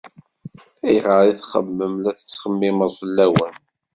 Ayɣer i txemmem la ttxemmimeɣ fell-awen?